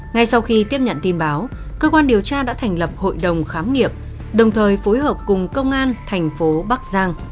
ngay sau khi tiếp nhận tin báo cơ quan điều tra đã thành lập hội đồng khám nghiệm đồng thời phối hợp cùng công an thành phố bắc giang